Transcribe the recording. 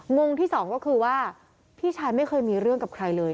งงที่สองก็คือว่าพี่ชายไม่เคยมีเรื่องกับใครเลย